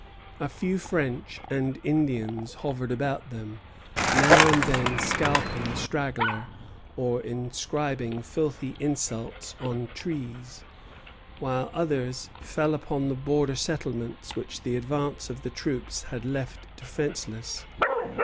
A few French and Indians hovered about them, now and then scalping a straggler or inscribing filthy insults on trees; while others fell upon the border settlements which the advance of the troops had left defenceless.